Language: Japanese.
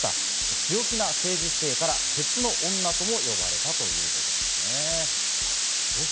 強気な政治姿勢から鉄の女とも呼ばれたということですね。